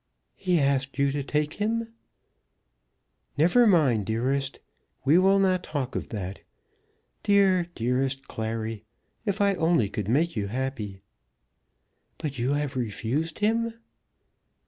"He asked you to take him?" "Never mind, dearest. We will not talk of that. Dear, dearest Clary, if I only could make you happy." "But you have refused him?"